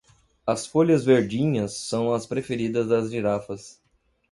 As folhas verdinhas são as preferidas das girafas